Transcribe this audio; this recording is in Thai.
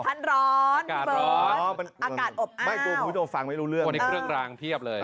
ท่านร้อนฟะอ้าวอากาศอบอ้าววันนี้เปลื้องรางเทียบเลย